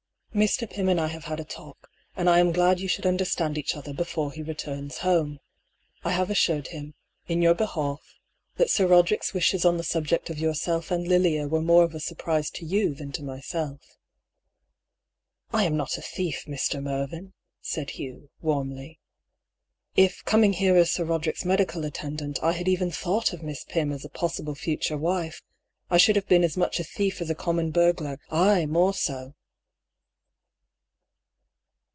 Mr. Pym and I have had a talk, and I am glad you should understand each other before he returns home. I have assured him, in your behalf, that Sir Roderick's wishes on the subject of yourself and Lilia were more of a surprise to you than to myself." " I am not a thief, Mr. Mervyn," said Hugh, warmly. THE LOCKET. 105 " If coming here as Sir Eoderick's medical attendant I had even thought of Miss Pym as a possible future wife, I should have been as much a thief as a common burglar — aye, more so."